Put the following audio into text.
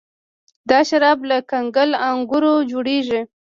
دا شراب له کنګل انګورو جوړیږي.